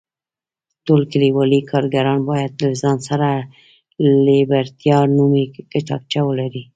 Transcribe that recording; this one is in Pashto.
ټول کلیوالي کارګران باید له ځان سره لیبرټا نومې کتابچه ولري.